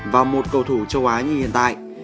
và một cầu thủ châu á như hiện tại